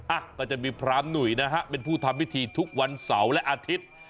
อ่ะก็จะมีพรามหนุ่ยนะฮะเป็นผู้ทำพิธีทุกวันเสาร์และอาทิตย์